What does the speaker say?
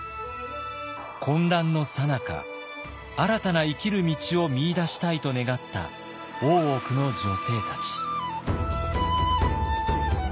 混乱のさなか新たな生きる道を見いだしたいと願った大奥の女性たち。